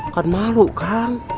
kan malu kan